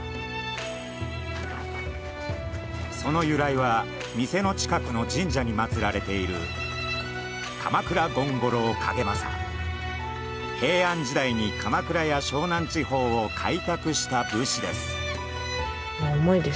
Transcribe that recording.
その由来は店の近くの神社に祀られている平安時代に鎌倉や湘南地方を開拓した武士です。